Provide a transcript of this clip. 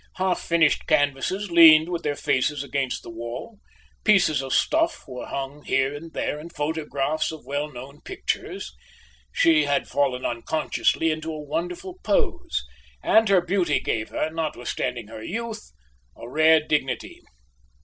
Half finished canvases leaned with their faces against the wall; pieces of stuff were hung here and there, and photographs of well known pictures. She had fallen unconsciously into a wonderful pose, and her beauty gave her, notwithstanding her youth, a rare dignity.